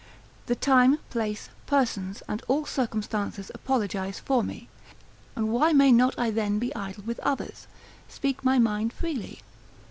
The time, place, persons, and all circumstances apologise for me, and why may not I then be idle with others? speak my mind freely?